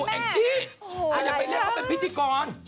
แองจี้เธออย่าไปเรียกเขาเป็นพิธีกร